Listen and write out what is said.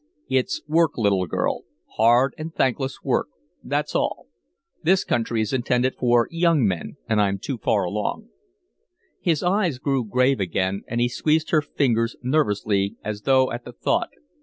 "It's work, little girl hard and thankless work, that's all. This country is intended for young men, and I'm too far along." His eyes grew grave again, and he squeezed her fingers nervously as though at the thought.